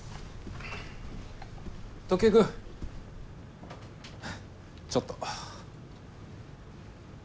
時江君ちょっと。